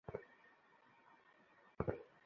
এখানে দুই দিন পর্যবেক্ষণে থেকে একটা এমআরআই করান।